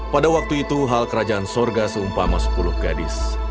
pada waktu itu hal kerajaan sorga seumpama sepuluh gadis